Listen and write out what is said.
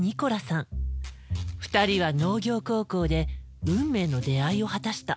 ２人は農業高校で運命の出会いを果たした。